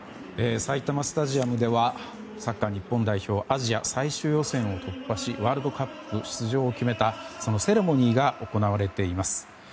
埼玉スタジアムではサッカー日本代表アジア最終予選を突破しワールドカップ出場を決めたそのセレモニーが行われています。